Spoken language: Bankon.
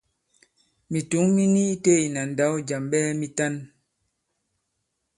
Mìtǔŋ mi ni itē ìna ndǎw jàm ɓɛɛ mitan.